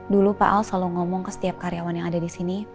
dulu pak al selalu ngomong ke setiap karyawan yang ada di sini